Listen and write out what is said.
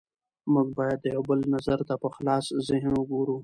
موږ باید د یو بل نظر ته په خلاص ذهن وګورو